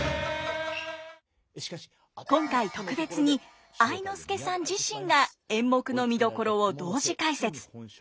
今回特別に愛之助さん自身が演目の見どころを同時解説。